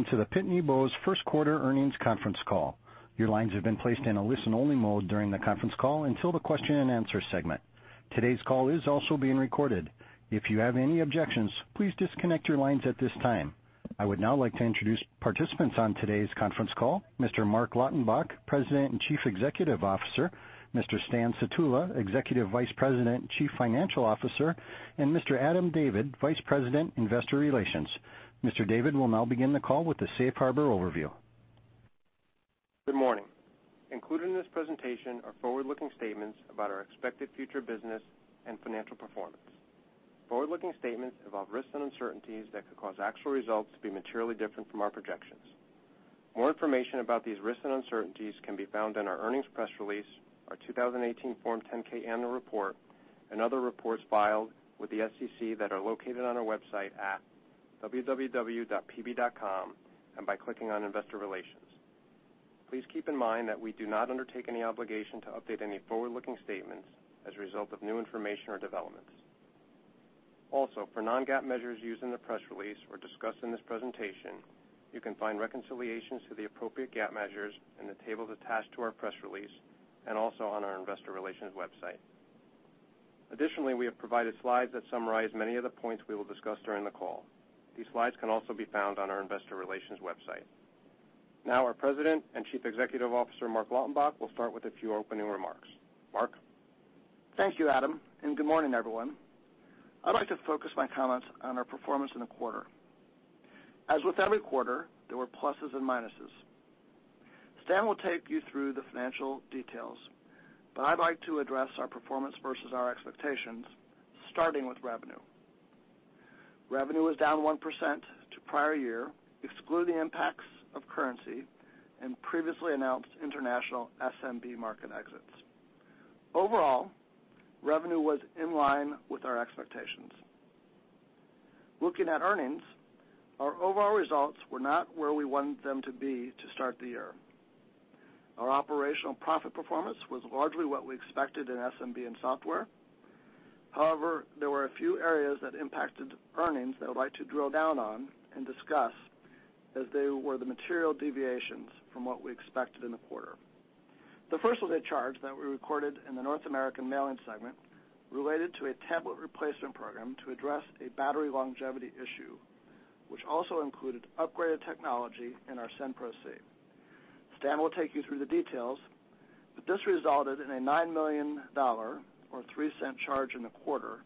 Welcome to the Pitney Bowes first quarter earnings conference call. Your lines have been placed in a listen-only mode during the conference call until the question and answer segment. Today's call is also being recorded. If you have any objections, please disconnect your lines at this time. I would now like to introduce participants on today's conference call, Mr. Marc Lautenbach, President and Chief Executive Officer, Mr. Stan Sutula, Executive Vice President and Chief Financial Officer, and Mr. Adam David, Vice President, Investor Relations. Mr. David will now begin the call with the Safe Harbor overview. Good morning. Included in this presentation are forward-looking statements about our expected future business and financial performance. Forward-looking statements involve risks and uncertainties that could cause actual results to be materially different from our projections. More information about these risks and uncertainties can be found in our earnings press release, our 2018 Form 10-K annual report, and other reports filed with the SEC that are located on our website at www.pb.com and by clicking on Investor Relations. Please keep in mind that we do not undertake any obligation to update any forward-looking statements as a result of new information or developments. For non-GAAP measures used in the press release or discussed in this presentation, you can find reconciliations to the appropriate GAAP measures in the tables attached to our press release, and also on our investor relations website. Additionally, we have provided slides that summarize many of the points we will discuss during the call. These slides can also be found on our investor relations website. Our President and Chief Executive Officer, Marc Lautenbach, will start with a few opening remarks. Marc? Thank you, Adam, good morning, everyone. I'd like to focus my comments on our performance in the quarter. As with every quarter, there were pluses and minuses. Stan will take you through the financial details, I'd like to address our performance versus our expectations, starting with revenue. Revenue was down 1% to prior year, excluding impacts of currency and previously announced international SMB market exits. Overall, revenue was in line with our expectations. Looking at earnings, our overall results were not where we wanted them to be to start the year. Our operational profit performance was largely what we expected in SMB and software. There were a few areas that impacted earnings that I'd like to drill down on and discuss, as they were the material deviations from what we expected in the quarter. The first was a charge that we recorded in the North America Mailing segment related to a tablet replacement program to address a battery longevity issue, which also included upgraded technology in our SendPro C. Stan will take you through the details, but this resulted in a $9 million, or $0.03 charge in the quarter,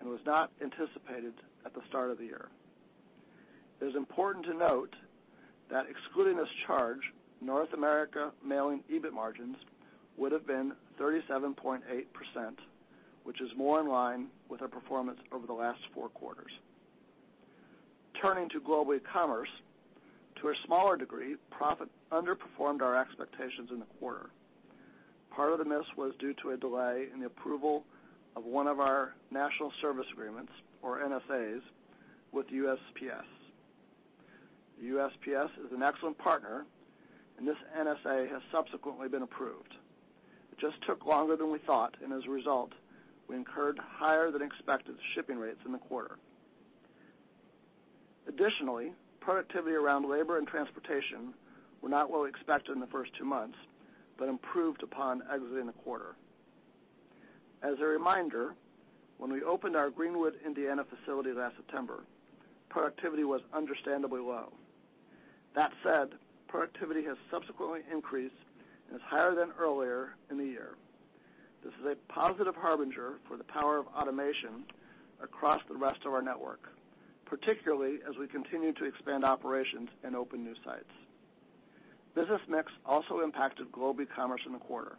and was not anticipated at the start of the year. It is important to note that excluding this charge, North America Mailing EBIT margins would've been 37.8%, which is more in line with our performance over the last four quarters. Turning to Global Ecommerce, to a smaller degree, profit underperformed our expectations in the quarter. Part of the miss was due to a delay in the approval of one of our Negotiated Service Agreements, or NSAs, with USPS. USPS is an excellent partner, and this NSA has subsequently been approved. It just took longer than we thought, and as a result, we incurred higher than expected shipping rates in the quarter. Additionally, productivity around labor and transportation were not what we expected in the first two months, but improved upon exiting the quarter. As a reminder, when we opened our Greenwood, Indiana facility last September, productivity was understandably low. That said, productivity has subsequently increased and is higher than earlier in the year. This is a positive harbinger for the power of automation across the rest of our network, particularly as we continue to expand operations and open new sites. Business mix also impacted Global Ecommerce in the quarter.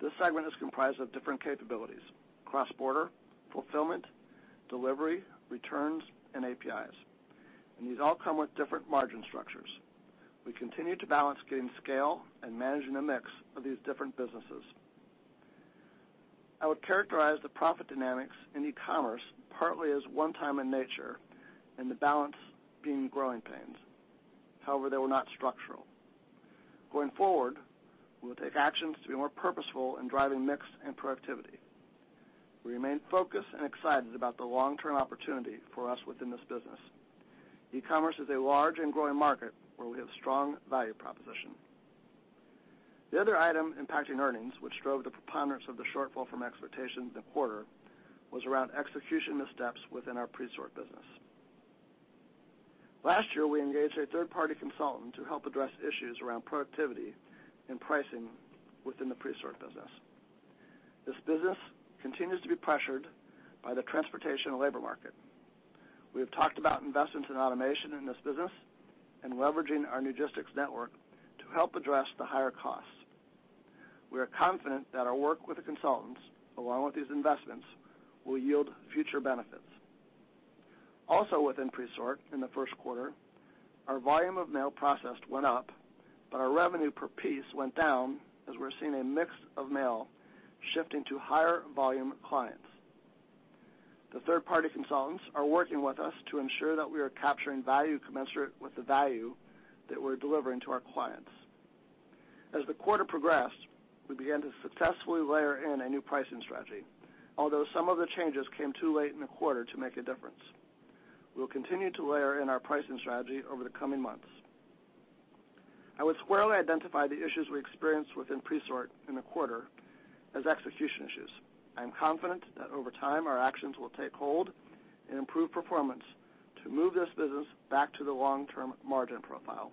This segment is comprised of different capabilities, cross-border, fulfillment, delivery, returns, and APIs. These all come with different margin structures. We continue to balance gaining scale and managing the mix of these different businesses. I would characterize the profit dynamics in e-commerce partly as one time in nature, and the balance being growing pains. However, they were not structural. Going forward, we will take actions to be more purposeful in driving mix and productivity. We remain focused and excited about the long-term opportunity for us within this business. E-commerce is a large and growing market where we have strong value proposition. The other item impacting earnings, which drove the preponderance of the shortfall from expectations in the quarter, was around execution missteps within our Presort Services. Last year, we engaged a third-party consultant to help address issues around productivity and pricing within the Presort Services. This business continues to be pressured by the transportation and labor market. We have talked about investments in automation in this business and leveraging our Newgistics network to help address the higher costs. We are confident that our work with the consultants, along with these investments, will yield future benefits. Also, within Presort in the first quarter, our volume of mail processed went up, but our revenue per piece went down as we're seeing a mix of mail shifting to higher volume clients. As the quarter progressed, we began to successfully layer in a new pricing strategy, although some of the changes came too late in the quarter to make a difference. We will continue to layer in our pricing strategy over the coming months. I would squarely identify the issues we experienced within Presort in the quarter as execution issues. I am confident that over time, our actions will take hold and improve performance to move this business back to the long-term margin profile,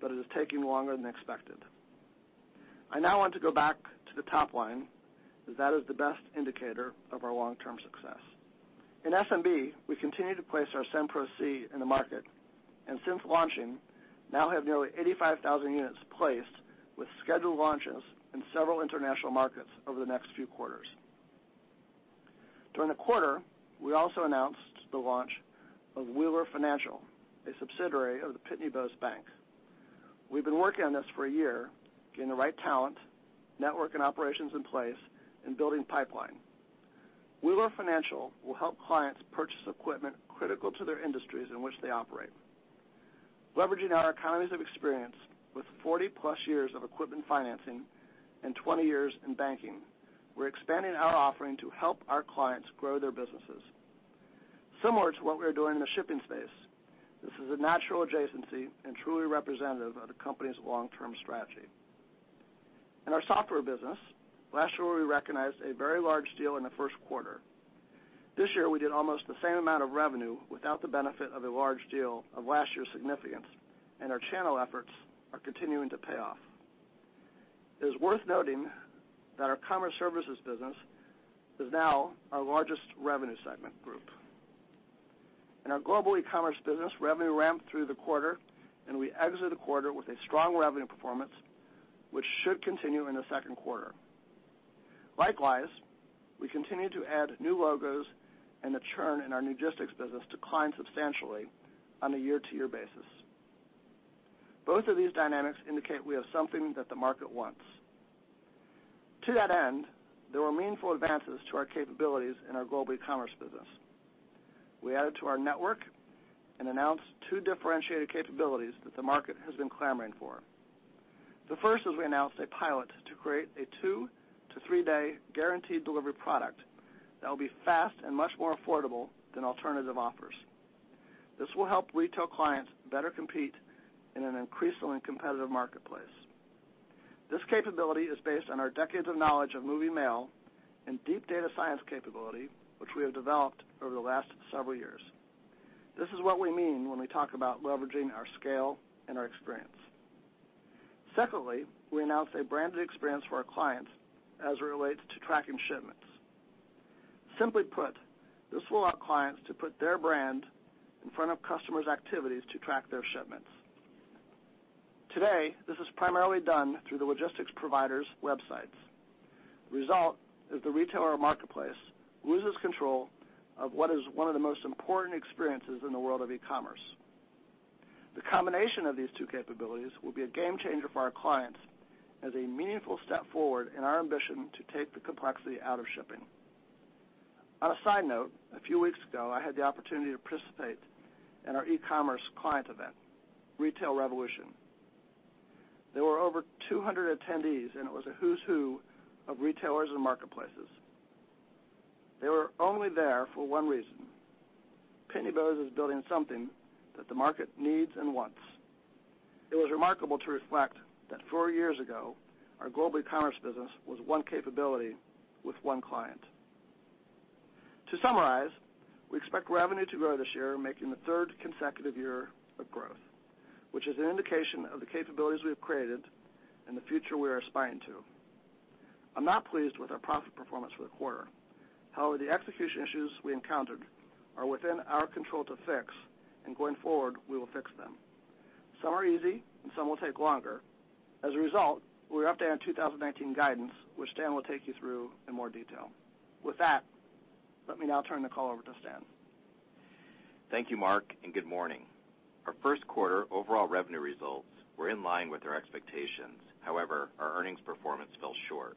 but it is taking longer than expected. I now want to go back to the top line, as that is the best indicator of our long-term success. In SMB, we continue to place our SendPro C in the market, and since launching, now have nearly 85,000 units placed with scheduled launches in several international markets over the next few quarters. During the quarter, we also announced the launch of Wheeler Financial, a subsidiary of the Pitney Bowes Bank. We've been working on this for a year, getting the right talent, network and operations in place, and building pipeline. Wheeler Financial will help clients purchase equipment critical to their industries in which they operate. Leveraging our economies of experience with 40-plus years of equipment financing and 20 years in banking, we're expanding our offering to help our clients grow their businesses. Similar to what we are doing in the shipping space, this is a natural adjacency and truly representative of the company's long-term strategy. In our software business, last year we recognized a very large deal in the first quarter. This year, we did almost the same amount of revenue without the benefit of a large deal of last year's significance. Our channel efforts are continuing to pay off. It is worth noting that our Commerce Services business is now our largest revenue segment group. In our Global Ecommerce business, revenue ramped through the quarter, and we exit the quarter with a strong revenue performance, which should continue in the second quarter. Likewise, we continue to add new logos and the churn in our Newgistics business declined substantially on a year-to-year basis. Both of these dynamics indicate we have something that the market wants. To that end, there were meaningful advances to our capabilities in our Global Ecommerce business. We added to our network and announced two differentiated capabilities that the market has been clamoring for. The first is we announced a pilot to create a two- to three-day guaranteed delivery product that will be fast and much more affordable than alternative offers. This will help retail clients better compete in an increasingly competitive marketplace. This capability is based on our decades of knowledge of moving mail and deep data science capability, which we have developed over the last several years. This is what we mean when we talk about leveraging our scale and our experience. Secondly, we announced a branded experience for our clients as it relates to tracking shipments. Simply put, this will allow clients to put their brand in front of customers' activities to track their shipments. Today, this is primarily done through the logistics providers' websites. The result is the retailer or marketplace loses control of what is one of the most important experiences in the world of e-commerce. The combination of these two capabilities will be a game changer for our clients as a meaningful step forward in our ambition to take the complexity out of shipping. On a side note, a few weeks ago, I had the opportunity to participate in our e-commerce client event, Retail Revolution. There were over 200 attendees, and it was a who's who of retailers and marketplaces. They were only there for one reason: Pitney Bowes is building something that the market needs and wants. It was remarkable to reflect that four years ago, our Global Ecommerce business was one capability with one client. To summarize, we expect revenue to grow this year, making the third consecutive year of growth, which is an indication of the capabilities we have created and the future we are aspiring to. I'm not pleased with our profit performance for the quarter. However, the execution issues we encountered are within our control to fix, and going forward, we will fix them. Some are easy, and some will take longer. As a result, we are upping our 2019 guidance, which Stan will take you through in more detail. With that, let me now turn the call over to Stan. Thank you, Marc, and good morning. Our first quarter overall revenue results were in line with our expectations. However, our earnings performance fell short.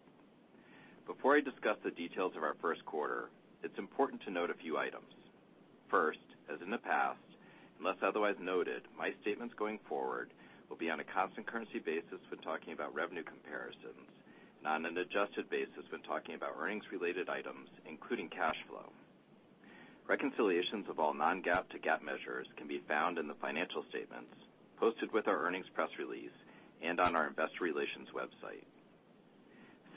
Before I discuss the details of our first quarter, it's important to note a few items. First, as in the past, unless otherwise noted, my statements going forward will be on a constant currency basis when talking about revenue comparisons, and on an adjusted basis when talking about earnings-related items, including cash flow. Reconciliations of all non-GAAP to GAAP measures can be found in the financial statements posted with our earnings press release and on our investor relations website.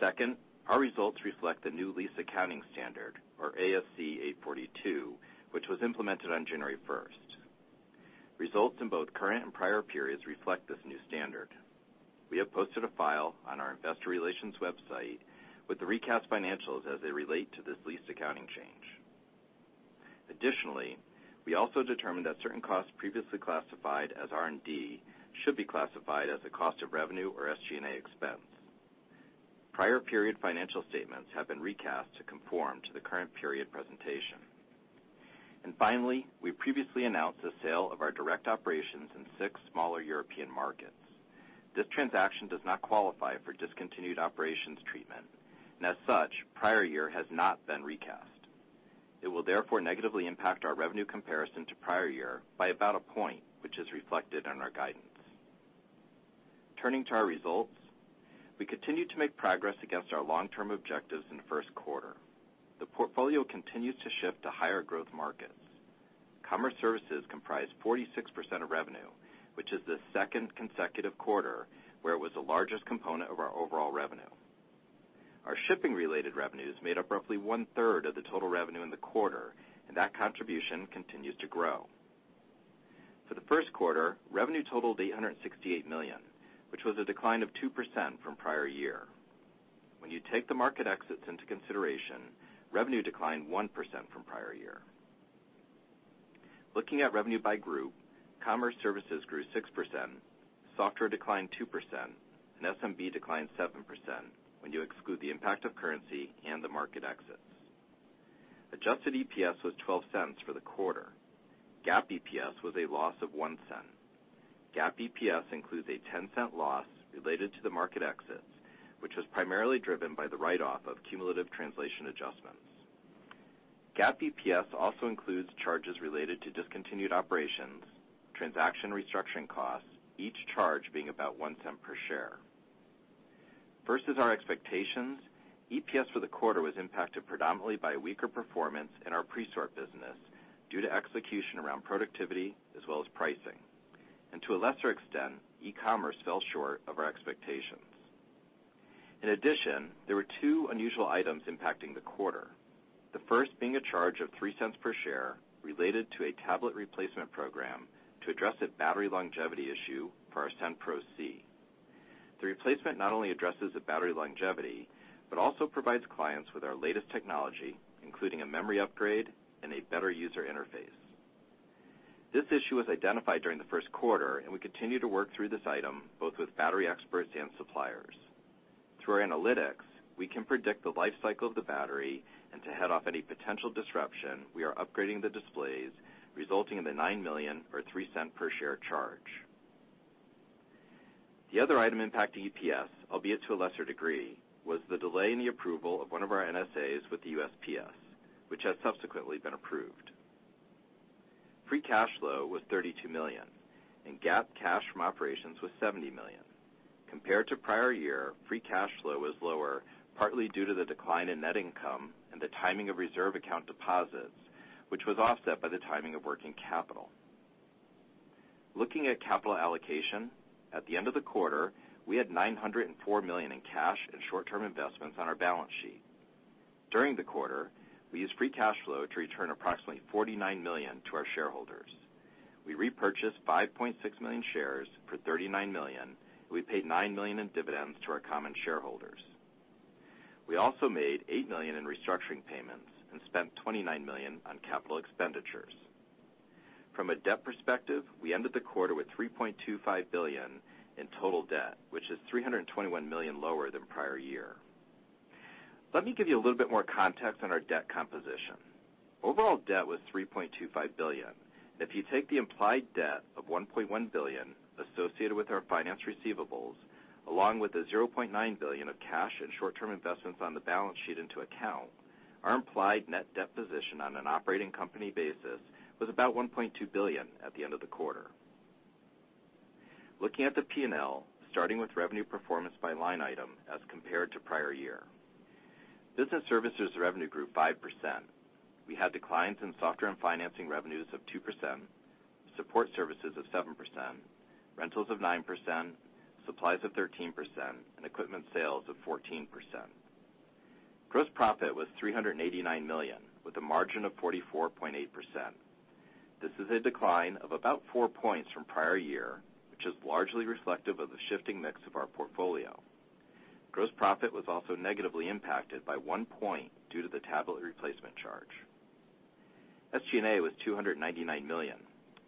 Second, our results reflect the new lease accounting standard, or ASC 842, which was implemented on January 1st. Results in both current and prior periods reflect this new standard. We have posted a file on our investor relations website with the recast financials as they relate to this lease accounting change. Additionally, we also determined that certain costs previously classified as R&D should be classified as a cost of revenue or SG&A expense. Prior period financial statements have been recast to conform to the current period presentation. Finally, we previously announced the sale of our direct operations in six smaller European markets. This transaction does not qualify for discontinued operations treatment, and as such, prior year has not been recast. It will therefore negatively impact our revenue comparison to prior year by about a point, which is reflected on our guidance. Turning to our results, we continue to make progress against our long-term objectives in the first quarter. The portfolio continues to shift to higher growth markets. Commerce Services comprise 46% of revenue, which is the second consecutive quarter where it was the largest component of our overall revenue. Our shipping related revenues made up roughly one-third of the total revenue in the quarter, that contribution continues to grow. For the first quarter, revenue totaled $868 million, which was a decline of 2% from prior year. When you take the market exits into consideration, revenue declined 1% from prior year. Looking at revenue by group, Commerce Services grew 6%, Software declined 2%, and SMB declined 7%, when you exclude the impact of currency and the market exits. Adjusted EPS was $0.12 for the quarter. GAAP EPS was a loss of $0.01. GAAP EPS includes a $0.10 loss related to the market exits, which was primarily driven by the write-off of cumulative translation adjustments. GAAP EPS also includes charges related to discontinued operations, transaction restructuring costs, each charge being about $0.01 per share. Versus our expectations, EPS for the quarter was impacted predominantly by weaker performance in our Presort business due to execution around productivity as well as pricing. To a lesser extent, e-commerce fell short of our expectations. In addition, there were two unusual items impacting the quarter. The first being a charge of $0.03 per share related to a tablet replacement program to address a battery longevity issue for our SendPro C. The replacement not only addresses the battery longevity, but also provides clients with our latest technology, including a memory upgrade and a better user interface. This issue was identified during the first quarter, we continue to work through this item, both with battery experts and suppliers. Through our analytics, we can predict the life cycle of the battery and to head off any potential disruption, we are upgrading the displays, resulting in the $9 million or $0.03 per share charge. The other item impacting EPS, albeit to a lesser degree, was the delay in the approval of one of our NSAs with the USPS, which has subsequently been approved. Free cash flow was $32 million, and GAAP cash from operations was $70 million. Compared to prior year, free cash flow was lower, partly due to the decline in net income and the timing of reserve account deposits, which was offset by the timing of working capital. Looking at capital allocation, at the end of the quarter, we had $904 million in cash and short-term investments on our balance sheet. During the quarter, we used free cash flow to return approximately $49 million to our shareholders. We repurchased 5.6 million shares for $39 million. We paid $9 million in dividends to our common shareholders. We also made $8 million in restructuring payments and spent $29 million on capital expenditures. From a debt perspective, we ended the quarter with $3.25 billion in total debt, which is $321 million lower than prior year. Let me give you a little bit more context on our debt composition. Overall debt was $3.25 billion. If you take the implied debt of $1.1 billion associated with our finance receivables, along with the $0.9 billion of cash and short-term investments on the balance sheet into account, our implied net debt position on an operating company basis was about $1.2 billion at the end of the quarter. Looking at the P&L, starting with revenue performance by line item as compared to prior year. Business services revenue grew 5%. We had declines in software and financing revenues of 2%, support services of 7%, rentals of 9%, supplies of 13%, and equipment sales of 14%. Gross profit was $389 million, with a margin of 44.8%. This is a decline of about four points from prior year, which is largely reflective of the shifting mix of our portfolio. Gross profit was also negatively impacted by one point due to the tablet replacement charge. SG&A was $299 million,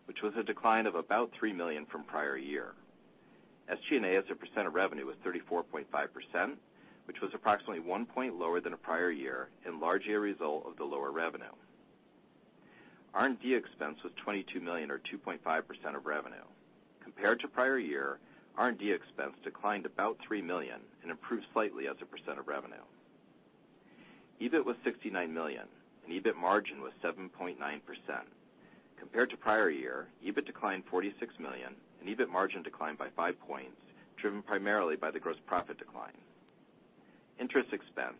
which was a decline of about $3 million from prior year. SG&A as a percent of revenue was 34.5%, which was approximately one point lower than the prior year and largely a result of the lower revenue. R&D expense was $22 million or 2.5% of revenue. Compared to prior year, R&D expense declined about $3 million and improved slightly as a percent of revenue. EBIT was $69 million, and EBIT margin was 7.9%. Compared to prior year, EBIT declined $46 million, and EBIT margin declined by five points, driven primarily by the gross profit decline. Interest expense,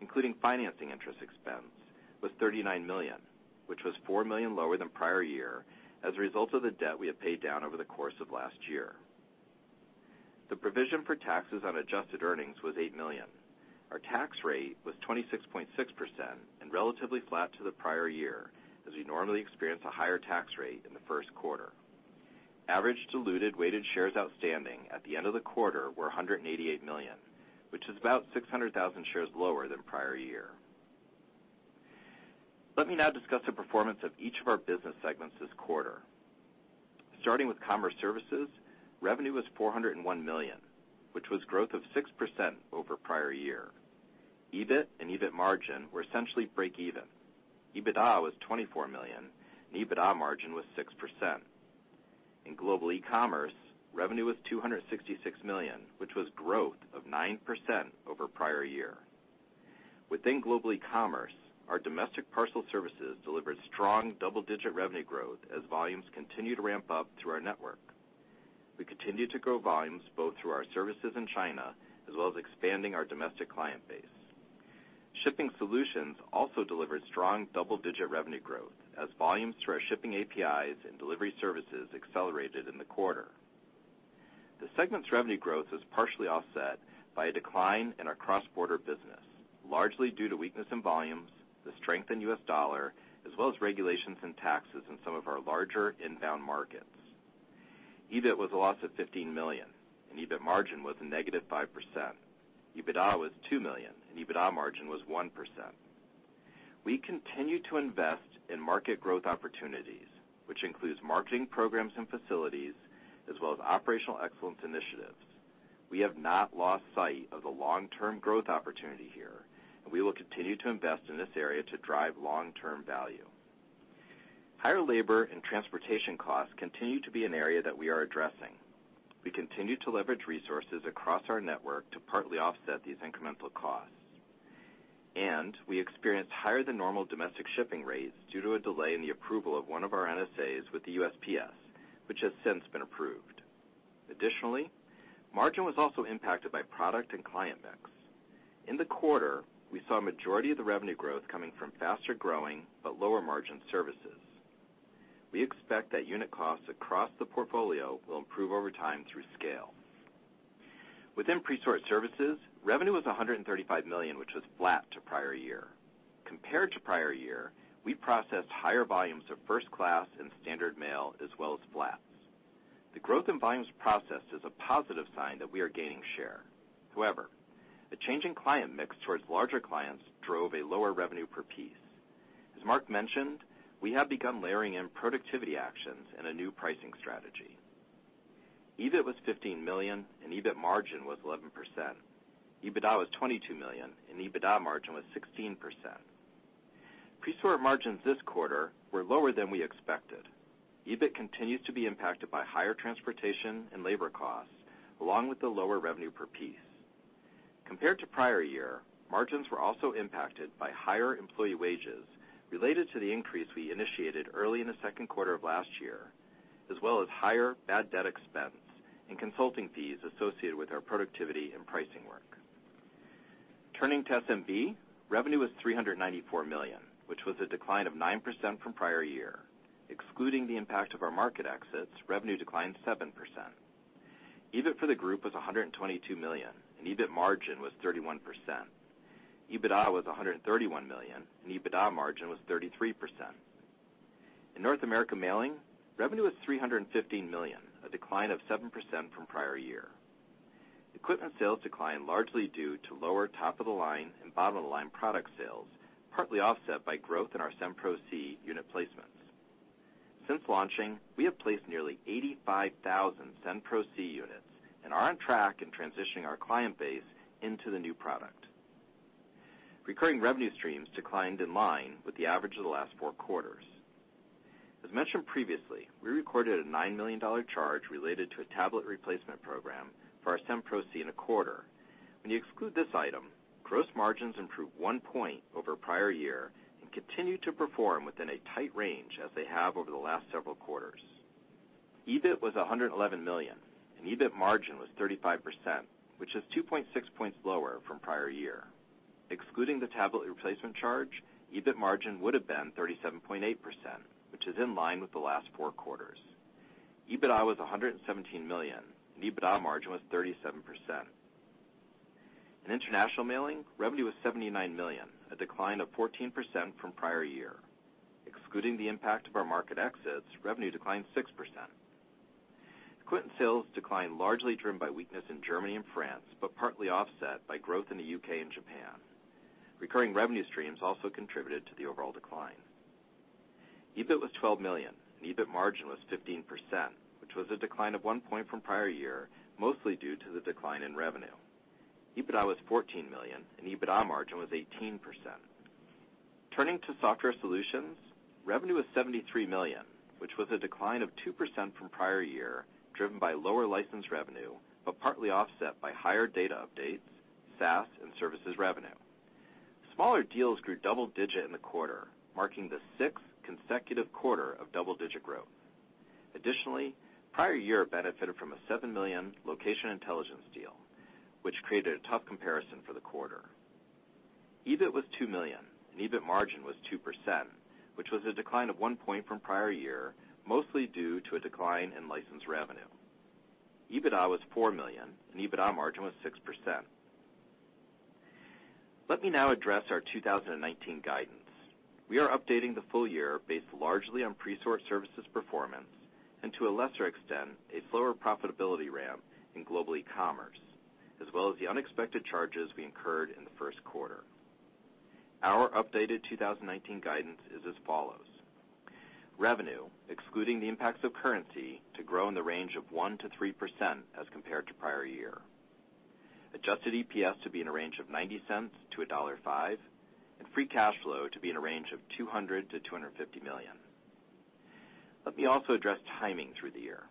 including financing interest expense, was $39 million, which was $4 million lower than prior year as a result of the debt we had paid down over the course of last year. The provision for taxes on adjusted earnings was $8 million. Our tax rate was 26.6% and relatively flat to the prior year, as we normally experience a higher tax rate in the first quarter. Average diluted weighted shares outstanding at the end of the quarter were 188 million, which is about 600,000 shares lower than prior year. Let me now discuss the performance of each of our business segments this quarter. Starting with Commerce Services, revenue was $401 million, which was growth of 6% over prior year. EBIT and EBIT margin were essentially breakeven. EBITDA was $24 million, and EBITDA margin was 6%. In Global Ecommerce, revenue was $266 million, which was growth of 9% over prior year. Within Global Ecommerce, our domestic parcel services delivered strong double-digit revenue growth as volumes continue to ramp up through our network. We continue to grow volumes both through our services in China as well as expanding our domestic client base. Shipping solutions also delivered strong double-digit revenue growth as volumes through our shipping APIs and delivery services accelerated in the quarter. The segment's revenue growth was partially offset by a decline in our cross-border business, largely due to weakness in volumes, the strength in U.S. dollar, as well as regulations and taxes in some of our larger inbound markets. EBIT was a loss of $15 million, and EBIT margin was a negative 5%. EBITDA was $2 million, and EBITDA margin was 1%. We continue to invest in market growth opportunities, which includes marketing programs and facilities, as well as operational excellence initiatives. We have not lost sight of the long-term growth opportunity here, and we will continue to invest in this area to drive long-term value. Higher labor and transportation costs continue to be an area that we are addressing. We continue to leverage resources across our network to partly offset these incremental costs. We experienced higher than normal domestic shipping rates due to a delay in the approval of one of our NSAs with the USPS, which has since been approved. Additionally, margin was also impacted by product and client mix. In the quarter, we saw a majority of the revenue growth coming from faster growing but lower margin services. We expect that unit costs across the portfolio will improve over time through scale. Within Presort Services, revenue was $135 million, which was flat to prior year. Compared to prior year, we processed higher volumes of first-class and standard mail, as well as flats. The growth in volumes processed is a positive sign that we are gaining share. However, a change in client mix towards larger clients drove a lower revenue per piece. As Marc mentioned, we have begun layering in productivity actions in a new pricing strategy. EBIT was $15 million, and EBIT margin was 11%. EBITDA was $22 million, and EBITDA margin was 16%. Presort margins this quarter were lower than we expected. EBIT continues to be impacted by higher transportation and labor costs, along with the lower revenue per piece. Compared to prior year, margins were also impacted by higher employee wages related to the increase we initiated early in the second quarter of last year, as well as higher bad debt expense and consulting fees associated with our productivity and pricing work. Turning to SMB, revenue was $394 million, which was a decline of 9% from prior year. Excluding the impact of our market exits, revenue declined 7%. EBIT for the group was $122 million, and EBIT margin was 31%. EBITDA was $131 million, and EBITDA margin was 33%. In North America Mailing, revenue was $315 million, a decline of 7% from prior year. Equipment sales declined largely due to lower top-of-the-line and bottom-of-the-line product sales, partly offset by growth in our SendPro C unit placements. Since launching, we have placed nearly 85,000 SendPro C units and are on track in transitioning our client base into the new product. Recurring revenue streams declined in line with the average of the last four quarters. As mentioned previously, we recorded a $9 million charge related to a tablet replacement program for our SendPro C in the quarter. When you exclude this item, gross margins improved one point over prior year and continue to perform within a tight range as they have over the last several quarters. EBIT was $111 million, and EBIT margin was 35%, which is 2.6 points lower from prior year. Excluding the tablet replacement charge, EBIT margin would have been 37.8%, which is in line with the last four quarters. EBITDA was $117 million, and EBITDA margin was 37%. In International Mailing, revenue was $79 million, a decline of 14% from prior year. Excluding the impact of our market exits, revenue declined 6%. Equipment sales declined largely driven by weakness in Germany and France, but partly offset by growth in the U.K. and Japan. Recurring revenue streams also contributed to the overall decline. EBIT was $12 million, and EBIT margin was 15%, which was a decline of one point from prior year, mostly due to the decline in revenue. EBITDA was $14 million, and EBITDA margin was 18%. Turning to Software Solutions, revenue was $73 million, which was a decline of 2% from prior year, driven by lower license revenue, but partly offset by higher data updates, SaaS, and services revenue. Smaller deals grew double digit in the quarter, marking the sixth consecutive quarter of double-digit growth. Additionally, prior year benefited from a $7 million Location Intelligence deal, which created a tough comparison for the quarter. EBIT was $2 million, and EBIT margin was 2%, which was a decline of one point from prior year, mostly due to a decline in license revenue. EBITDA was $4 million, and EBITDA margin was 6%. Let me now address our 2019 guidance. We are updating the full year based largely on Presort Services performance and to a lesser extent, a slower profitability ramp in Global Ecommerce, as well as the unexpected charges we incurred in the first quarter. Our updated 2019 guidance is as follows. Revenue, excluding the impacts of currency, to grow in the range of 1%-3% as compared to prior year. Adjusted EPS to be in a range of $0.90-$1.5, and free cash flow to be in a range of $200 million-$250 million. Let me also address timing through the year.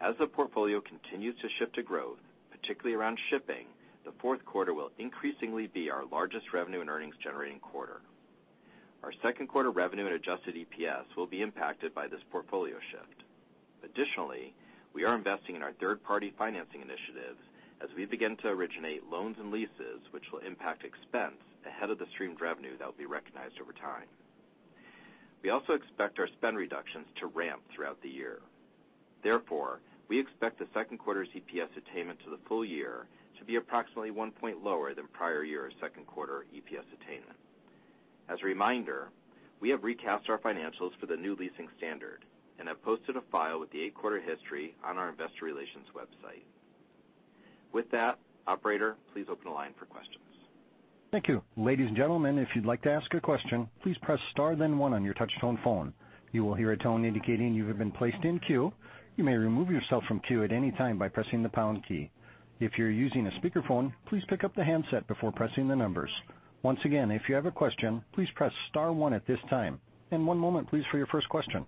As the portfolio continues to shift to growth, particularly around shipping, the fourth quarter will increasingly be our largest revenue and earnings-generating quarter. Our second quarter revenue and adjusted EPS will be impacted by this portfolio shift. Additionally, we are investing in our third-party financing initiatives as we begin to originate loans and leases, which will impact expense ahead of the streamed revenue that will be recognized over time. We also expect our spend reductions to ramp throughout the year. Therefore, we expect the second quarter's EPS attainment to the full year to be approximately one point lower than prior year's second quarter EPS attainment. As a reminder, we have recasted our financials for the new leasing standard and have posted a file with the eight-quarter history on our investor relations website. With that, operator, please open the line for questions. Thank you. Ladies and gentlemen, if you'd like to ask a question, please press star then one on your touch-tone phone. You will hear a tone indicating you have been placed in queue. You may remove yourself from queue at any time by pressing the pound key. If you're using a speakerphone, please pick up the handset before pressing the numbers. Once again, if you have a question, please press star one at this time. One moment, please, for your first question.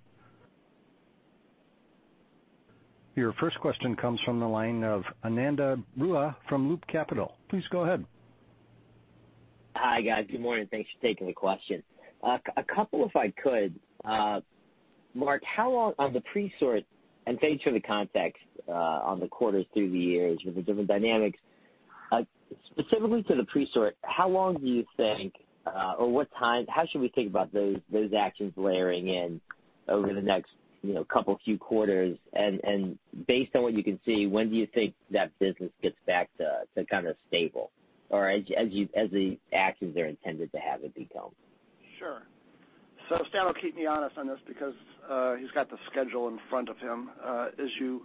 Your first question comes from the line of Ananda Baruah from Loop Capital. Please go ahead. Hi, guys. Good morning. Thanks for taking the question. A couple, if I could. Marc, on the Presort, and thanks for the context on the quarters through the years with the different dynamics. Specifically to the Presort, how long do you think, or how should we think about those actions layering in over the next couple of few quarters? Based on what you can see, when do you think that business gets back to kind of stable, or as the actions are intended to have it become? Sure. Stan will keep me honest on this because he's got the schedule in front of him. As you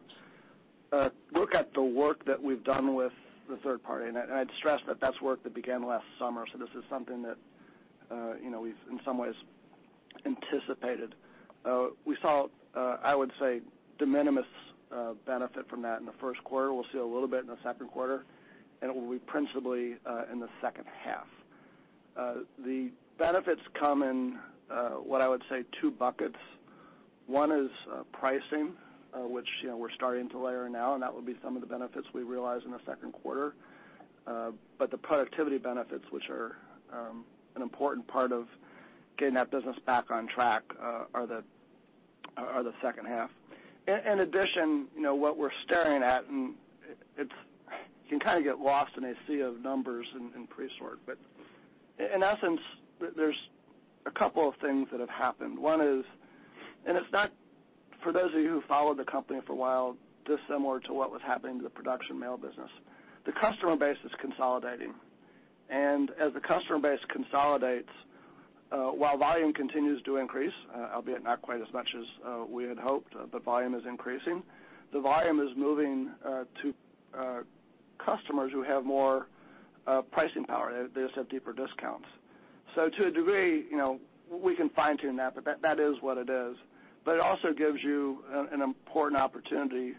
look at the work that we've done with the third party, I'd stress that that's work that began last summer, this is something that we've in some ways anticipated. We saw, I would say, de minimis benefit from that in the first quarter. We'll see a little bit in the second quarter, and it will be principally in the second half. The benefits come in, what I would say, two buckets. One is pricing, which we're starting to layer now, and that will be some of the benefits we realize in the second quarter. The productivity benefits, which are an important part of getting that business back on track, are the second half. In addition, what we're staring at, you can kind of get lost in a sea of numbers in Presort, there's a couple of things that have happened. One is, it's not, for those of you who followed the company for a while, dissimilar to what was happening to the production mail business. The customer base is consolidating. As the customer base consolidates, while volume continues to increase, albeit not quite as much as we had hoped, volume is increasing. The volume is moving to customers who have more pricing power. They just have deeper discounts. To a degree, we can fine-tune that is what it is. It also gives you an important opportunity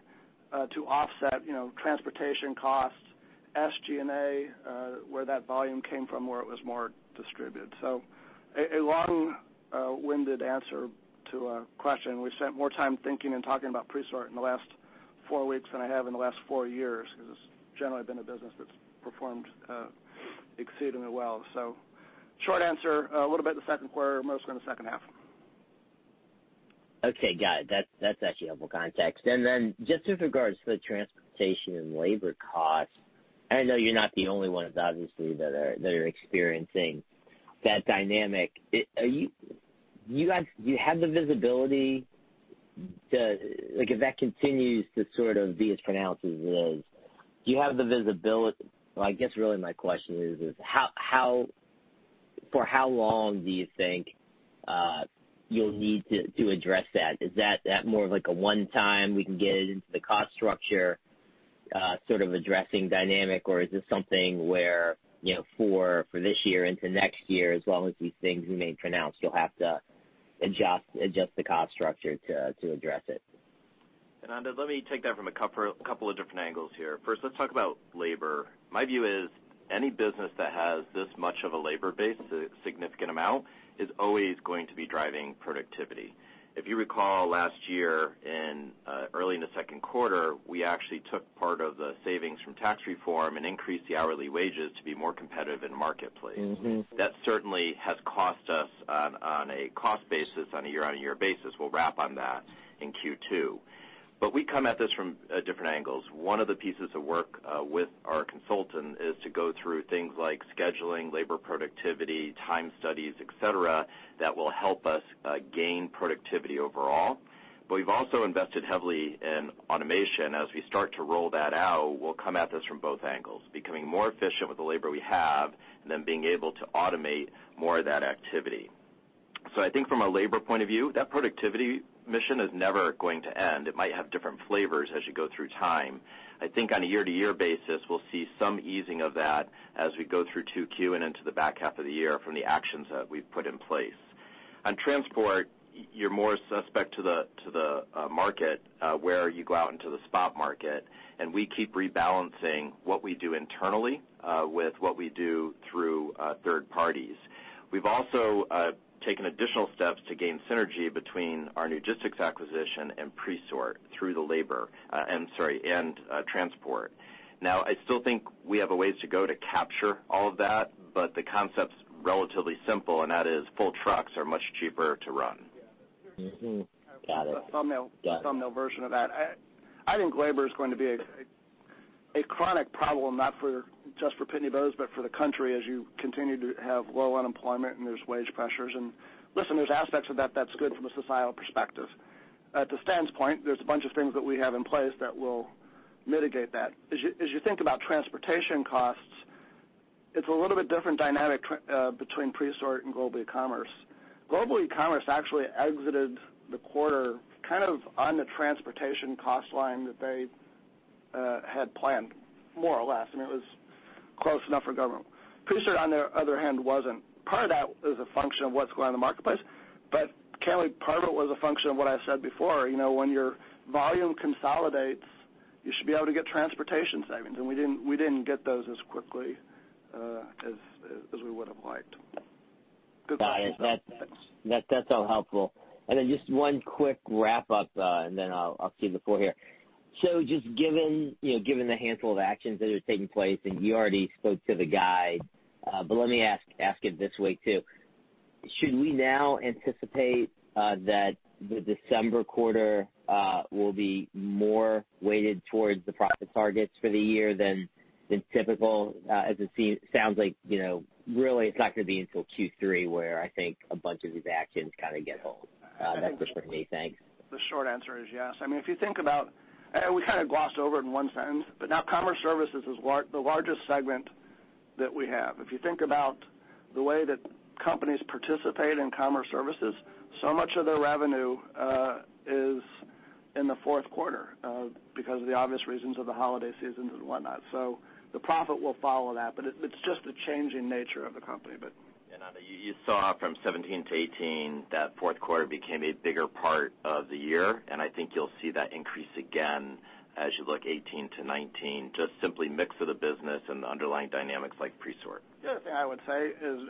to offset transportation costs, SG&A, where that volume came from, where it was more distributed. A long-winded answer to a question. We've spent more time thinking and talking about Presort in the last four weeks than I have in the last four years because it's generally been a business that's performed exceedingly well. Short answer, a little bit in the second quarter, mostly in the second half. Okay, got it. That's actually helpful context. Then just with regards to the transportation and labor costs, I know you're not the only ones, obviously, that are experiencing that dynamic. Do you have the visibility, if that continues to sort of be as pronounced as it is, I guess really my question is, for how long do you think you'll need to address that? Is that more of like a one-time, we can get it into the cost structure sort of addressing dynamic? Or is this something where for this year into next year, as long as these things remain pronounced, you'll have to adjust the cost structure to address it? Ananda, let me take that from a couple of different angles here. First, let's talk about labor. My view is any business that has this much of a labor base, a significant amount, is always going to be driving productivity. If you recall last year in early in the second quarter, we actually took part of the savings from tax reform and increased the hourly wages to be more competitive in the marketplace. That certainly has cost us on a cost basis, on a year-on-year basis. We'll wrap on that in Q2. We come at this from different angles. One of the pieces of work with our consultant is to go through things like scheduling, labor productivity, time studies, et cetera, that will help us gain productivity overall. We've also invested heavily in automation. As we start to roll that out, we'll come at this from both angles, becoming more efficient with the labor we have, and then being able to automate more of that activity. I think from a labor point of view, that productivity mission is never going to end. It might have different flavors as you go through time. I think on a year-to-year basis, we'll see some easing of that as we go through 2Q and into the back half of the year from the actions that we've put in place. On transport, you're more suspect to the market, where you go out into the spot market, and we keep rebalancing what we do internally with what we do through third parties. We've also taken additional steps to gain synergy between our Newgistics acquisition and Presort through the labor, I'm sorry, and transport. I still think we have a ways to go to capture all of that, the concept's relatively simple, and that is full trucks are much cheaper to run. Got it. A thumbnail version of that. I think labor is going to be a chronic problem, not just for Pitney Bowes, but for the country as you continue to have low unemployment and there's wage pressures. Listen, there's aspects of that that's good from a societal perspective. At Stan's point, there's a bunch of things that we have in place that will mitigate that. As you think about transportation costs, it's a little bit different dynamic between Presort and Global Ecommerce. Global Ecommerce actually exited the quarter on the transportation cost line that they had planned more or less. I mean, it was close enough for government. Presort, on the other hand, wasn't. Part of that is a function of what's going on in the marketplace. Candidly, part of it was a function of what I said before. When your volume consolidates, you should be able to get transportation savings, and we didn't get those as quickly as we would've liked. Got it. That's all helpful. Just one quick wrap-up, and then I'll cede the floor here. Just given the handful of actions that are taking place, and you already spoke to the guide, but let me ask it this way, too. Should we now anticipate that the December quarter will be more weighted towards the profit targets for the year than typical, as it sounds like, really, it's not going to be until Q3 where I think a bunch of these actions get hold? That's just for me. Thanks. The short answer is yes. I mean, if you think about, and we kind of glossed over it in one sentence, but now Commerce Services is the largest segment that we have. If you think about the way that companies participate in Commerce Services, so much of their revenue is in the fourth quarter because of the obvious reasons of the holiday seasons and whatnot. The profit will follow that, but it's just a changing nature of the company a bit. You saw from 2017 to 2018, that fourth quarter became a bigger part of the year, and I think you'll see that increase again as you look 2018 to 2019, just simply mix of the business and the underlying dynamics like Presort. The other thing I would say is,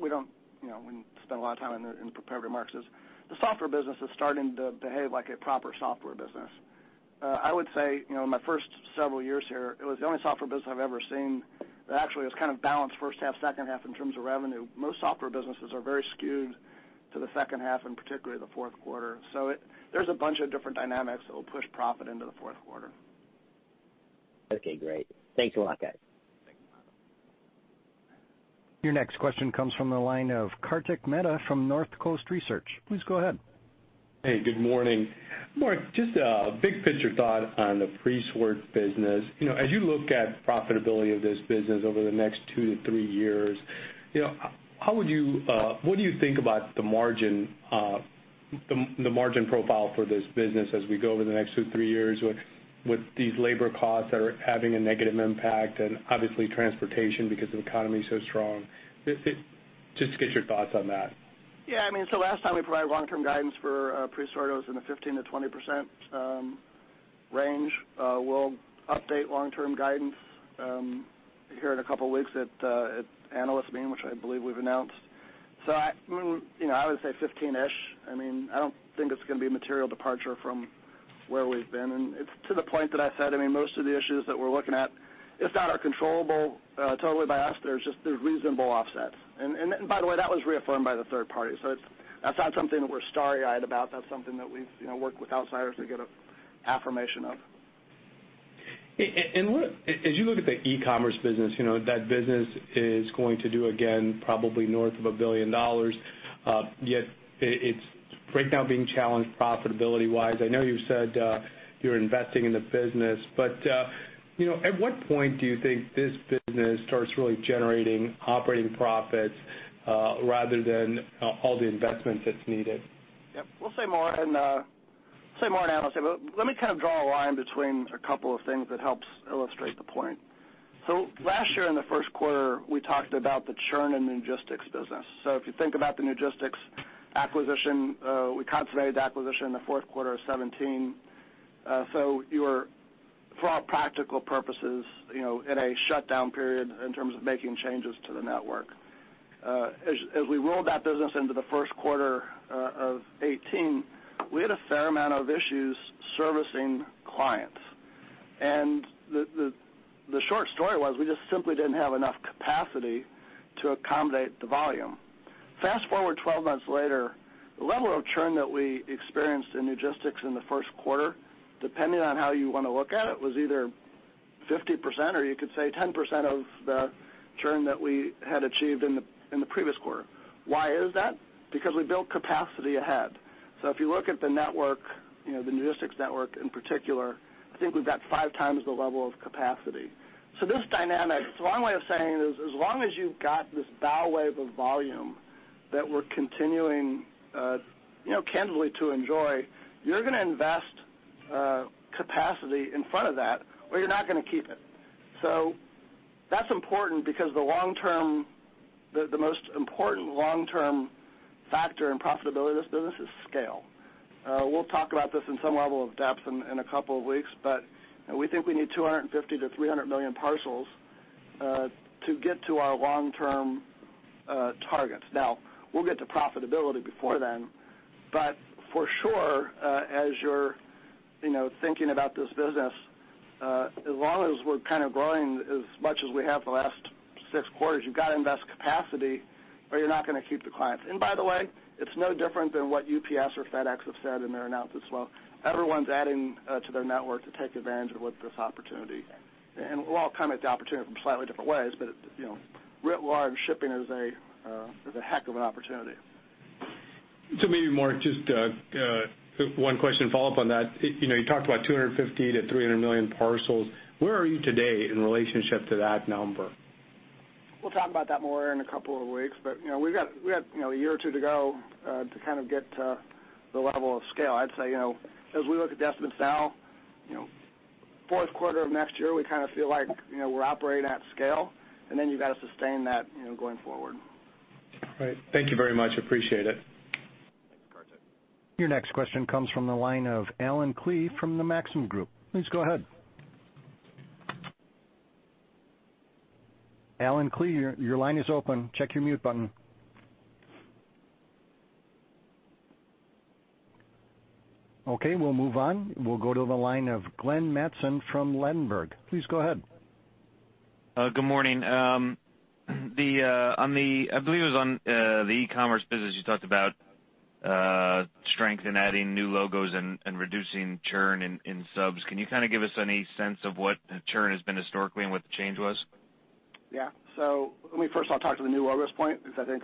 we didn't spend a lot of time in the prepared remarks, is the software business is starting to behave like a proper software business. I would say, in my first several years here, it was the only software business I've ever seen that actually has balanced first half, second half in terms of revenue. Most software businesses are very skewed to the second half, and particularly the fourth quarter. There's a bunch of different dynamics that will push profit into the fourth quarter. Okay, great. Thanks a lot, guys. Thank you. Your next question comes from the line of Kartik Mehta from Northcoast Research. Please go ahead. Hey, good morning. Marc, just a big picture thought on the Presort business. As you look at profitability of this business over the next two to three years, what do you think about the margin profile for this business as we go over the next two, three years with these labor costs that are having a negative impact and obviously transportation because the economy is so strong? Just to get your thoughts on that. Yeah. Last time we provided long-term guidance for Presort was in the 15%-20% range. We'll update long-term guidance here in a couple of weeks at Analyst Meeting, which I believe we've announced. I would say 15-ish. I don't think it's going to be a material departure from where we've been. It's to the point that I said, most of the issues that we're looking at, it's not our controllable totally by us. There's reasonable offsets. By the way, that was reaffirmed by the third party. That's not something that we're starry-eyed about. That's something that we've worked with outsiders to get an affirmation of. As you look at the e-commerce business, that business is going to do, again, probably north of $1 billion. Yet it's right now being challenged profitability-wise. I know you said you're investing in the business, at what point do you think this business starts really generating operating profits rather than all the investment that's needed? Yep. We'll say more in Investor Day, let me kind of draw a line between a couple of things that helps illustrate the point. Last year in the first quarter, we talked about the churn in Newgistics business. If you think about the Newgistics acquisition, we consummated the acquisition in the fourth quarter of 2017. You're, for all practical purposes, in a shutdown period in terms of making changes to the network. As we rolled that business into the first quarter of 2018, we had a fair amount of issues servicing clients. The short story was, we just simply didn't have enough capacity to accommodate the volume. Fast-forward 12 months later, the level of churn that we experienced in Newgistics in the first quarter, depending on how you want to look at it, was either 50%, or you could say 10% of the churn that we had achieved in the previous quarter. Why is that? We built capacity ahead. If you look at the network, the Newgistics network in particular, I think we've got five times the level of capacity. This dynamic, it's one way of saying is, as long as you've got this bow wave of volume that we're continuing candidly to enjoy, you're going to invest capacity in front of that, or you're not going to keep it. That's important because the most important long-term factor in profitability of this business is scale. We'll talk about this in some level of depth in a couple of weeks, but we think we need 250 million to 300 million parcels to get to our long-term targets. Now, we'll get to profitability before then, but for sure, as you're thinking about this business, as long as we're growing as much as we have the last six quarters, you've got to invest capacity or you're not going to keep the clients. By the way, it's no different than what UPS or FedEx have said in their announcements as well. Everyone's adding to their network to take advantage of this opportunity. We all come at the opportunity from slightly different ways, but writ large, shipping is a heck of an opportunity. Maybe, Marc, just one question follow up on that. You talked about 250 million to 300 million parcels. Where are you today in relationship to that number? We'll talk about that more in a couple of weeks, but we've got a year or two to go to get to the level of scale. I'd say, as we look at desk and sell, fourth quarter of next year, we feel like we're operating at scale, and then you've got to sustain that going forward. All right. Thank you very much. Appreciate it. Thanks, Kartik. Your next question comes from the line of Allen Klee from the Maxim Group. Please go ahead. Allen Klee, your line is open. Check your mute button. Okay, we'll move on. We'll go to the line of Glenn Madsen from Ladenburg. Please go ahead. Good morning. I believe it was on the e-commerce business, you talked about strength in adding new logos and reducing churn in subs. Can you give us any sense of what churn has been historically and what the change was? Let me first of all talk to the new logos point, because I think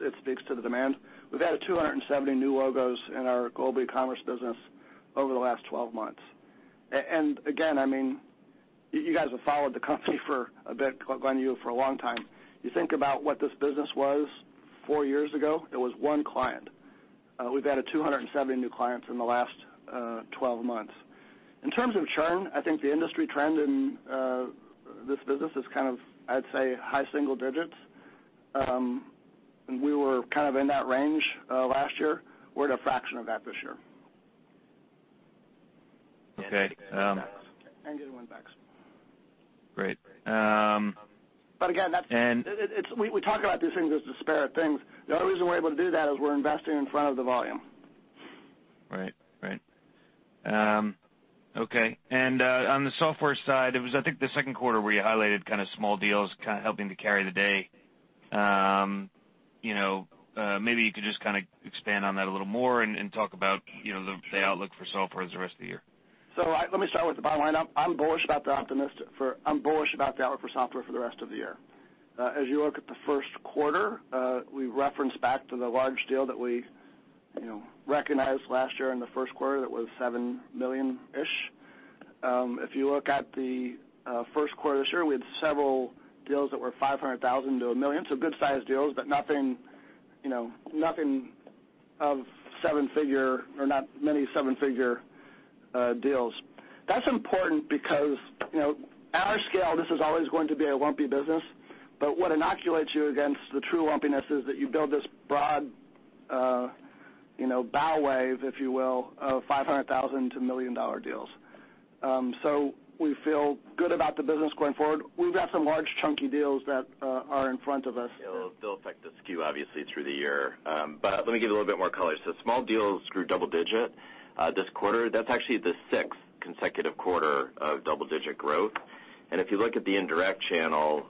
it speaks to the demand. We've added 270 new logos in our Global Ecommerce business over the last 12 months. Again, you guys have followed the company for a bit. Glenn, you for a long time. You think about what this business was four years ago, it was one client. We've added 270 new clients in the last 12 months. In terms of churn, I think the industry trend in this business is, I'd say high single digits. We were in that range last year. We're at a fraction of that this year. Okay. Getting win backs. Great. Again, we talk about these things as disparate things. The only reason we're able to do that is we're investing in front of the volume. Right. Okay. On the software side, it was, I think, the second quarter where you highlighted small deals helping to carry the day. Maybe you could just expand on that a little more and talk about the outlook for software for the rest of the year. Let me start with the bottom line. I'm bullish about the outlook for software for the rest of the year. You look at the first quarter, we referenced back to the large deal that we recognized last year in the first quarter that was $7 million-ish. If you look at the first quarter this year, we had several deals that were $500,000 to $1 million, so good-sized deals, but nothing of seven-figure or not many seven-figure deals. That's important because at our scale, this is always going to be a lumpy business. What inoculates you against the true lumpiness is that you build this broad bow wave, if you will, of $500,000 to $1 million-dollar deals. We feel good about the business going forward. We've got some large chunky deals that are in front of us. It'll affect the SKU obviously through the year. Let me give a little bit more color. Small deals grew double-digit this quarter. That's actually the sixth consecutive quarter of double-digit growth. If you look at the indirect channel,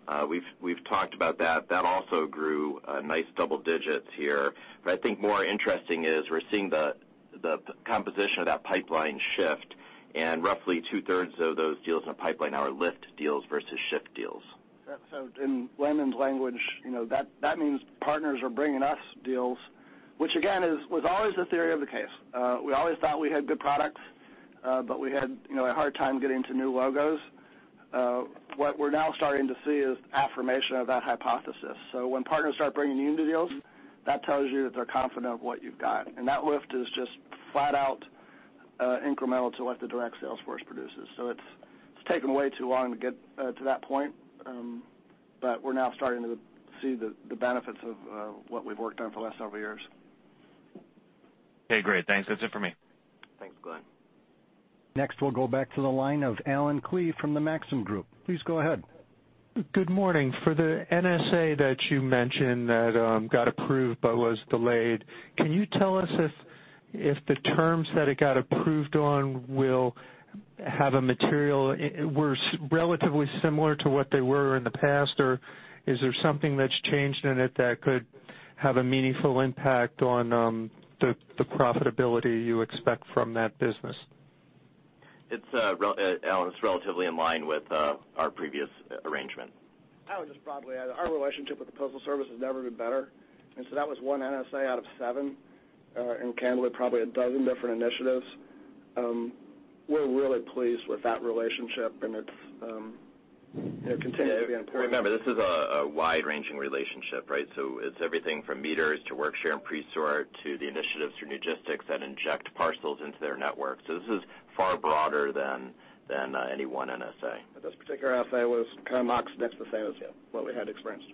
we've talked about that. That also grew a nice double digits here. I think more interesting is we're seeing the composition of that pipeline shift and roughly two-thirds of those deals in the pipeline are lift deals versus shift deals. In Glenn's language, that means partners are bringing us deals, which again was always the theory of the case. We always thought we had good products, but we had a hard time getting to new logos. What we're now starting to see is affirmation of that hypothesis. When partners start bringing you into deals, that tells you that they're confident of what you've got. And that lift is just flat out incremental to what the direct sales force produces. It's taken way too long to get to that point, but we're now starting to see the benefits of what we've worked on for the last several years. Okay, great. Thanks. That's it for me. Thanks, Glenn. We'll go back to the line of Allen Klee from the Maxim Group. Please go ahead. Good morning. For the NSA that you mentioned that got approved but was delayed, can you tell us if the terms that it got approved on were relatively similar to what they were in the past? Is there something that's changed in it that could have a meaningful impact on the profitability you expect from that business? Allen, it's relatively in line with our previous arrangement. I would just broadly add, our relationship with the Postal Service has never been better. That was one NSA out of seven, and candidly, probably a dozen different initiatives. We're really pleased with that relationship, and it continues to be important. Remember, this is a wide-ranging relationship, right? It's everything from meters to work share and Presort to the initiatives through Newgistics that inject parcels into their network. This is far broader than any one NSA. This particular NSA was kind of almost next to the same as what we had experienced.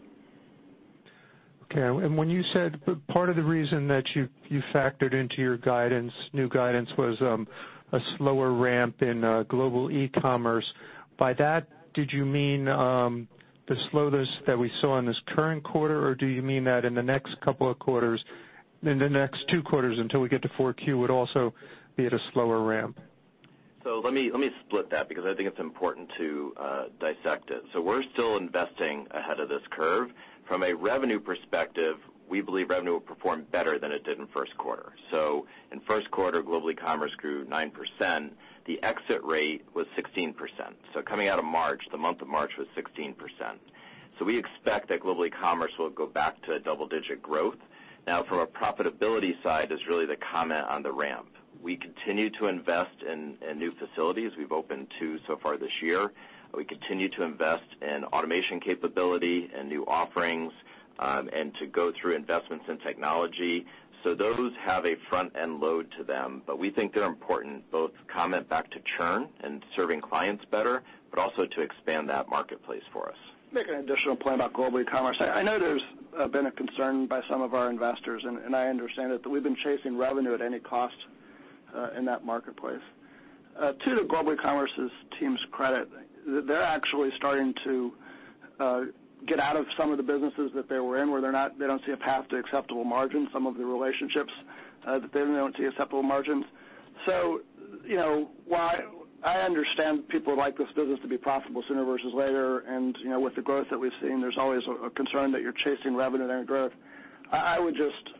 Okay. When you said part of the reason that you factored into your new guidance was a slower ramp in Global Ecommerce, by that, did you mean the slowness that we saw in this current quarter? Or do you mean that in the next two quarters until we get to four Q would also be at a slower ramp? Let me split that, because I think it's important to dissect it. We're still investing ahead of this curve. From a revenue perspective, we believe revenue will perform better than it did in first quarter. In first quarter, Global Ecommerce grew 9%, the exit rate was 16%. Coming out of March, the month of March was 16%. We expect that Global Ecommerce will go back to double-digit growth. From a profitability side is really the comment on the ramp. We continue to invest in new facilities. We've opened two so far this year. We continue to invest in automation capability and new offerings, and to go through investments in technology. Those have a front-end load to them, but we think they're important, both comment back to churn and serving clients better, but also to expand that marketplace for us. Make an additional point about Global Ecommerce. I know there's been a concern by some of our investors, and I understand it, that we've been chasing revenue at any cost in that marketplace. To the Global Ecommerce team's credit, they're actually starting to get out of some of the businesses that they were in where they don't see a path to acceptable margin, some of the relationships that they don't see acceptable margins. While I understand people would like this business to be profitable sooner versus later, and with the growth that we've seen, there's always a concern that you're chasing revenue and growth. I would just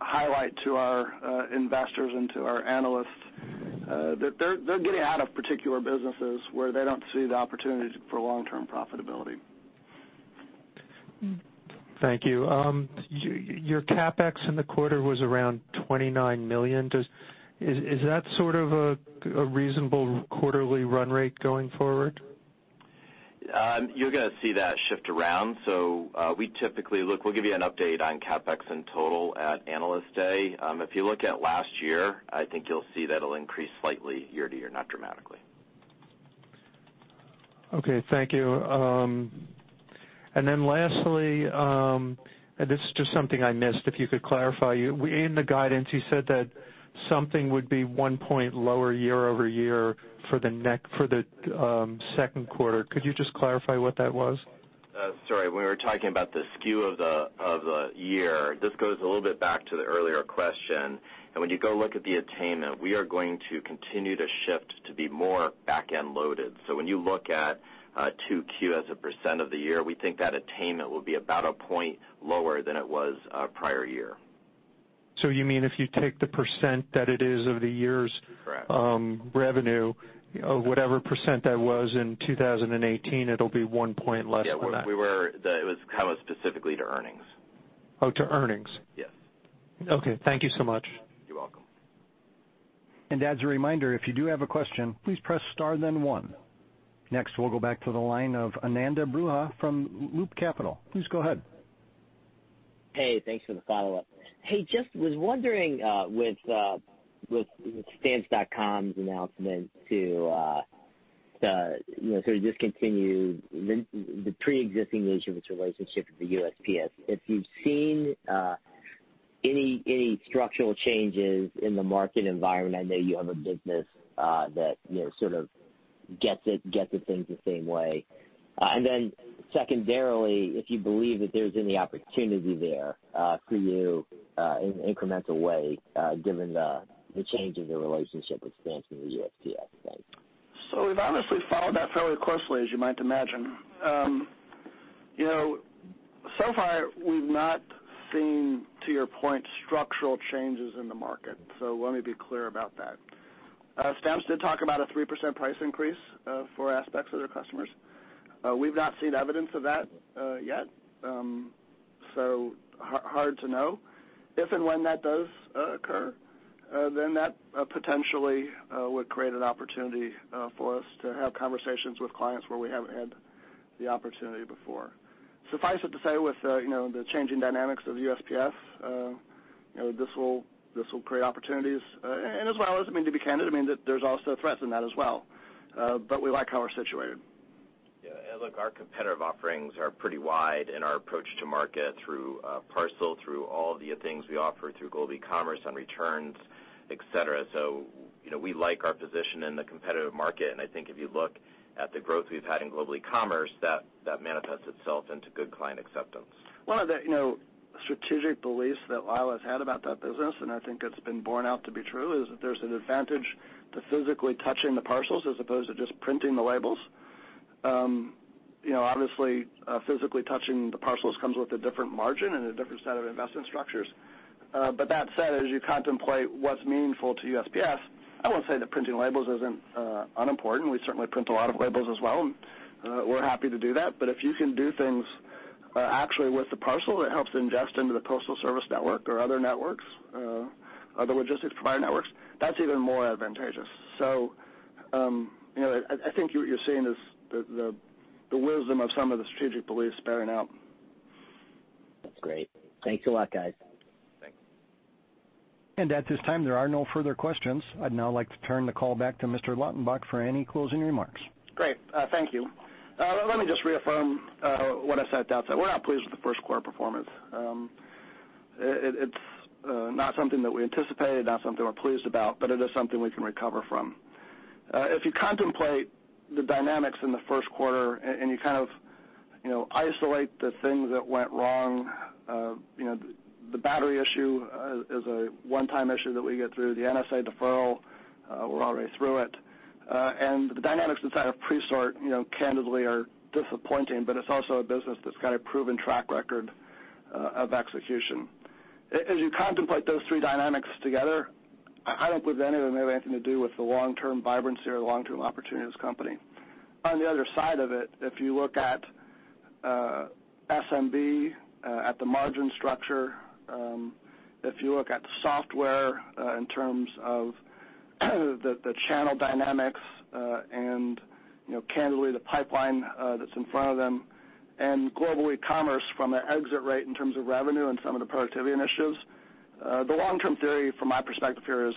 highlight to our investors and to our analysts that they're getting out of particular businesses where they don't see the opportunities for long-term profitability. Thank you. Your CapEx in the quarter was around $29 million. Is that sort of a reasonable quarterly run rate going forward? You're going to see that shift around. We typically look, we'll give you an update on CapEx in total at Investor Day. If you look at last year, I think you'll see that'll increase slightly year to year, not dramatically. Okay, thank you. Lastly, this is just something I missed, if you could clarify. In the guidance, you said that something would be 1 point lower year-over-year for the second quarter. Could you just clarify what that was? Sorry. We were talking about the skew of the year. This goes a little bit back to the earlier question. When you go look at the attainment, we are going to continue to shift to be more back-end loaded. When you look at 2Q as a % of the year, we think that attainment will be about 1 point lower than it was prior year. You mean if you take the % that it is of the year's- Correct revenue, whatever % that was in 2018, it'll be 1 point less than that. Yeah. That was specifically to earnings. Oh, to earnings. Yes. Okay. Thank you so much. You're welcome. As a reminder, if you do have a question, please press star then one. Next, we'll go back to the line of Ananda Baruah from Loop Capital. Please go ahead. Hey, thanks for the follow-up. Just was wondering, with Stamps.com's announcement to sort of discontinue the preexisting nature of its relationship with the USPS, if you've seen any structural changes in the market environment. I know you have a business that sort of gets it, gets the things the same way. Then secondarily, if you believe that there's any opportunity there for you in an incremental way given the change in the relationship with Stamps and the USPS. Thanks. We've obviously followed that fairly closely, as you might imagine. Far we've not seen, to your point, structural changes in the market. Let me be clear about that. Stamps did talk about a 3% price increase for aspects of their customers. We've not seen evidence of that yet, so hard to know. If and when that does occur, then that potentially would create an opportunity for us to have conversations with clients where we haven't had the opportunity before. Suffice it to say, with the changing dynamics of USPS, this will create opportunities. As well, to be candid, there's also threats in that as well. We like how we're situated. Yeah. Look, our competitive offerings are pretty wide in our approach to market through parcel, through all of the things we offer through Global Ecommerce on returns, et cetera. We like our position in the competitive market, and I think if you look at the growth we've had in Global Ecommerce, that manifests itself into good client acceptance. One of the strategic beliefs that Lyle has had about that business, I think it's been borne out to be true, is that there's an advantage to physically touching the parcels as opposed to just printing the labels. Obviously, physically touching the parcels comes with a different margin and a different set of investment structures. That said, as you contemplate what's meaningful to USPS, I won't say that printing labels isn't unimportant. We certainly print a lot of labels as well, and we're happy to do that. If you can do things actually with the parcel that helps ingest into the Postal Service network or other networks, other logistics provider networks, that's even more advantageous. I think what you're seeing is the wisdom of some of the strategic beliefs bearing out. That's great. Thanks a lot, guys. At this time, there are no further questions. I'd now like to turn the call back to Mr. Lautenbach for any closing remarks. Great. Thank you. Let me just reaffirm what I said outside. We're not pleased with the first quarter performance. It's not something that we anticipated, not something we're pleased about, but it is something we can recover from. If you contemplate the dynamics in the first quarter and you isolate the things that went wrong, the battery issue is a one-time issue that we get through. The NSA deferral, we're already through it. The dynamics inside of Presort, candidly, are disappointing, but it's also a business that's got a proven track record of execution. As you contemplate those three dynamics together, I don't believe any of them have anything to do with the long-term vibrancy or the long-term opportunity of this company. On the other side of it, if you look at SMB, at the margin structure, if you look at software in terms of the channel dynamics and candidly, the pipeline that's in front of them, and Global Ecommerce from an exit rate in terms of revenue and some of the productivity initiatives, the long-term theory from my perspective here is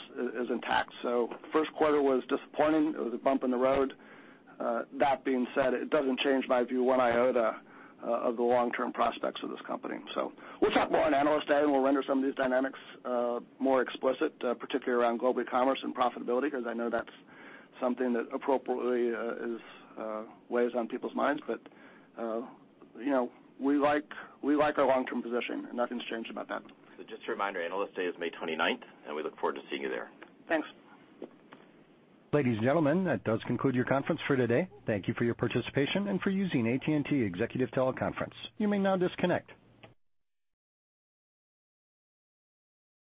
intact. The first quarter was disappointing. It was a bump in the road. That being said, it doesn't change my view one iota of the long-term prospects of this company. We'll talk more on Investor Day, and we'll render some of these dynamics more explicit, particularly around Global Ecommerce and profitability, because I know that's something that appropriately weighs on people's minds. We like our long-term position, and nothing's changed about that. Just a reminder, Investor Day is May 29th, and we look forward to seeing you there. Thanks. Ladies and gentlemen, that does conclude your conference for today. Thank you for your participation and for using AT&T Executive Teleconference. You may now disconnect.